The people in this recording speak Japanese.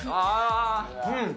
うん。